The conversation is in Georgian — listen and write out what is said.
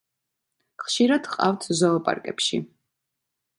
ხშირად ჰყავთ ზოოპარკებში.